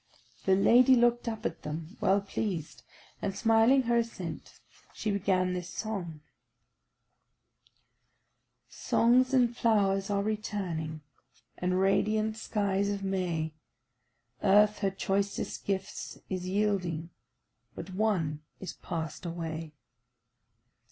The lady looked up at them, well pleased, and smiling her assent, she began this song: "Songs and flowers are returning, And radiant skies of May, Earth her choicest gifts is yielding, But one is past away.